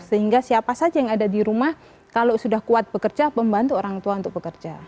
sehingga siapa saja yang ada di rumah kalau sudah kuat bekerja membantu orang tua untuk bekerja